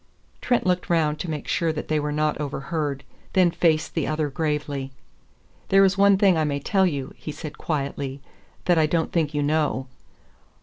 Trent looked round to make sure that they were not overheard, then faced the other gravely. "There is one thing I may tell you," he said quietly, "that I don't think you know.